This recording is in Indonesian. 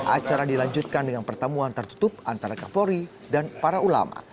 acara dilanjutkan dengan pertemuan tertutup antara kapolri dan para ulama